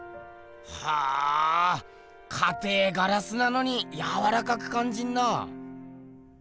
はぁかてぇガラスなのにやわらかくかんじるな。